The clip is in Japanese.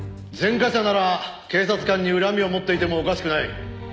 前科者なら警察官に恨みを持っていてもおかしくない。